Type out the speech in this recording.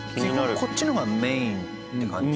基本こっちの方がメインって感じ。